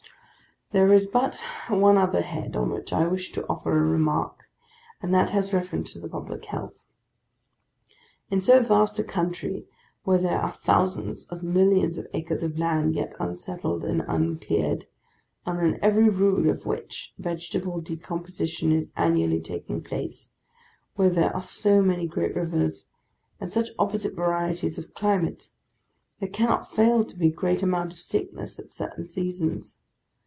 There is but one other head on which I wish to offer a remark; and that has reference to the public health. In so vast a country, where there are thousands of millions of acres of land yet unsettled and uncleared, and on every rood of which, vegetable decomposition is annually taking place; where there are so many great rivers, and such opposite varieties of climate; there cannot fail to be a great amount of sickness at certain seasons.